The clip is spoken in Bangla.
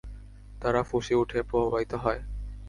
তারা ফুঁসে ওঠে, প্রবাহিত হয়।